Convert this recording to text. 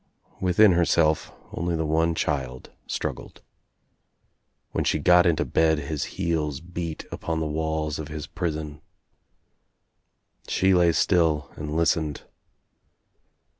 Within herself only the one child struggled. When she got into bed his heels beat upon the walls of his prison. She lay still and listened.